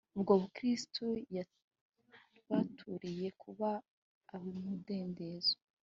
Ubwo Kristo yatubaturiye kuba ab umudendezo